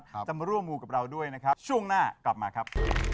จะมาร่วมมูกับเราด้วยนะครับช่วงหน้ากลับมาครับ